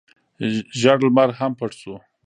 ژړ لمر هم پټ شو.